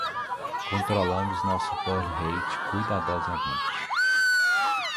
Controlamos nosso burn rate cuidadosamente.